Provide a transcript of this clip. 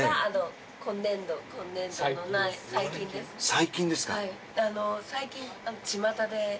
最近ですか。